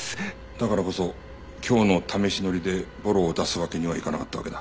だからこそ今日の試し乗りでボロを出すわけにはいかなかったわけだ。